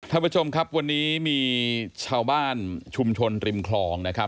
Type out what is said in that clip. ท่านผู้ชมครับวันนี้มีชาวบ้านชุมชนริมคลองนะครับ